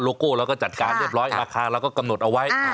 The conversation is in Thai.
โก้เราก็จัดการเรียบร้อยราคาเราก็กำหนดเอาไว้